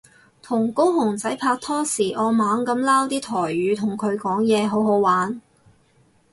同高雄仔拍拖時我猛噉撈啲台語同佢講嘢好好玩